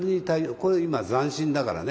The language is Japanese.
これ今残心だからね。